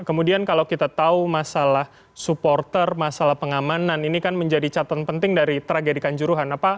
kemudian kalau kita tahu masalah supporter masalah pengamanan ini kan menjadi catatan penting dari tragedikan juruhan